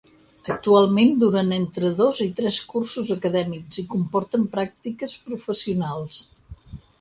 Actualment duren entre dos i tres cursos acadèmics i comporten pràctiques professionals.